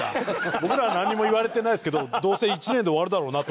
僕らはなんにも言われてないですけどどうせ１年で終わるだろうなと。